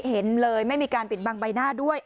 เห็นเลยไม่มีการปิดบังใบหน้าด้วย